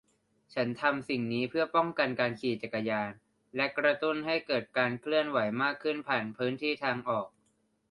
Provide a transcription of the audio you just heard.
ฉันทำสิ่งนี้เพื่อป้องกันการขี่จักรยานและกระตุ้นให้เกิดการเคลื่อนไหวมากขึ้นผ่านพื้นที่ทางออก